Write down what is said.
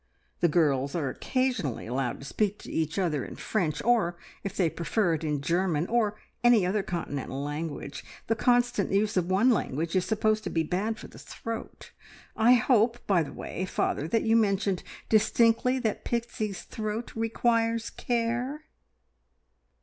The girls are occasionally allowed to speak to each other in French, or, if they prefer it, in German, or any other Continental language. The constant use of one language is supposed to be bad for the throat. I hope, by the way, father, that you mentioned distinctly that Pixie's throat requires care?"